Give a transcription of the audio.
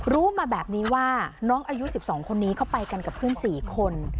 รู้มาแบบนี้ว่าน้องอายุ๑๒คนนี้เข้าไปกันกับเพื่อน๔คน